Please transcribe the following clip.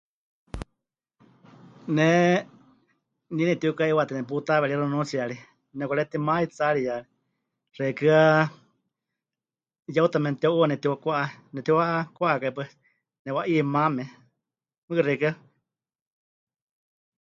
Ne nie netiuka'iwatɨ neputaweeríxɨ nunuutsiyari, nepɨkaretima 'itsaariya, xeikɨ́a yeuta memɨteu'uuwa nepɨtiwakwa'a, nepɨtiwakwá'akai pues, newa'iimáme, mɨɨkɨ xeikɨ́a.